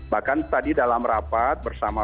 bahkan tadi dalam rapat bersama